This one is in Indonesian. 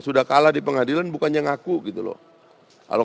sudah kalah di pengadilan bukannya ngaku gitu loh